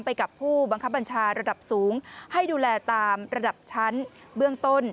ไปกับผู้บังคับบัญชาระดับสูงให้ดูแลตามระดับชั้นเบื้องต้น